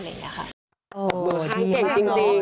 เก่งจริง